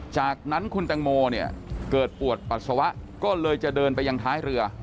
จากนั้นคุณแตงโมเนี่ยเกิดปวดปัสสาวะก็เลยจะเดินไปยังท้ายเรือ